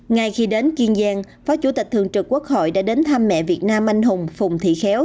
ngay khi đến kiên giang phó chủ tịch thường trực quốc hội đã đến thăm mẹ việt nam anh hùng phùng thị khéo